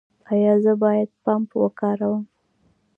ایا زه باید پمپ وکاروم؟